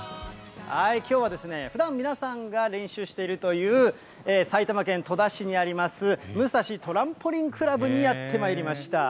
きょうはふだん皆さんが練習しているという、埼玉県戸田市にあります、ムサシトランポリンクラブにやってまいりました。